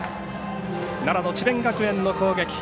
奈良の智弁学園の攻撃。